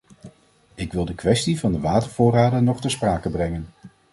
Ik wil de kwestie van de watervoorraden nog ter sprake brengen.